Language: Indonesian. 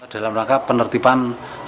dalam rangka penertiban